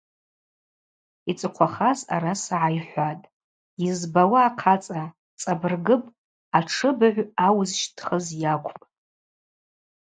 Йцӏыхъвахаз араса гӏайхӏватӏ: йызбауа ахъацӏа, цӏабыргыпӏ, атшыбыгӏв ауызщтхыз йакӏвпӏ.